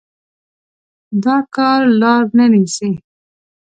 دا کار لار نه نيسي.